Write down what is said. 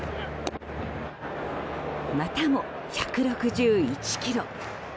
またも１６１キロ！